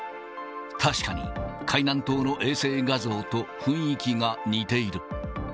確かに海南島の衛星画像と雰囲気が似ている。